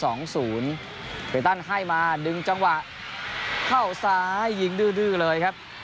เวตันให้มาดึงจังหวะเข้าซ้ายยิงดื้อเลยครับ